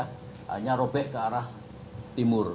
hanya robek ke arah timur